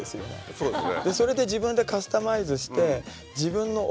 そうですね。